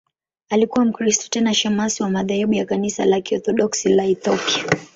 Alikuwa Mkristo, tena shemasi wa madhehebu ya Kanisa la Kiorthodoksi la Ethiopia.